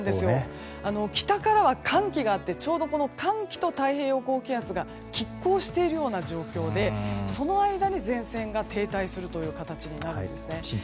北からは寒気があってちょうど寒気と太平洋高気圧が拮抗しているような状況でその間に前線が停滞するという形になるんですね。